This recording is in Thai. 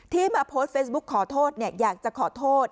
ที่มาโพสเฟสบุ๊คขอโทษเนี่ยอยากจะขอโทษ